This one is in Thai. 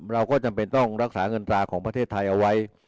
เราก็จำเป็นต้องรักษาเงินตราของประเทศไทยเอาไว้